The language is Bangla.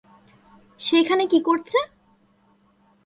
সে এখানে কী করছে?